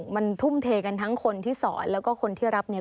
มันทุ่มเทกันทั้งคนที่สอนแล้วก็คนที่รับเนี่ย